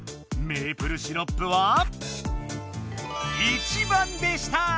メープルシロップは１番でした！